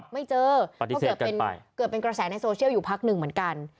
ไม่เจอก็เกิดเป็นกระแสในโซเชียลอยู่พักหนึ่งเหมือนกัน